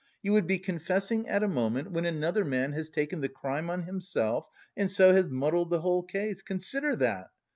You would be confessing at a moment when another man has taken the crime on himself and so has muddled the whole case. Consider that!